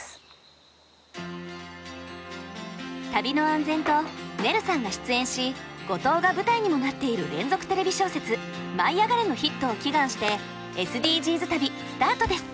旅の安全とねるさんが出演し五島が舞台にもなっている連続テレビ小説「舞いあがれ！」のヒットを祈願してＳＤＧｓ旅スタートです。